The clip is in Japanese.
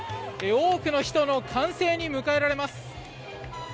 多くの人の歓声に迎えられます。